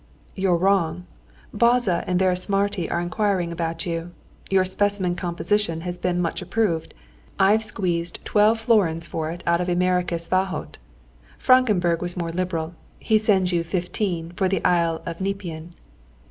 "You're wrong. Bajza and Vörösmarty are inquiring about you. Your specimen composition has been much approved. I've squeezed twelve florins for it out of Emericus Vahot. Frankenburg was more liberal. He sends you fifteen for 'The Island Nepean.'"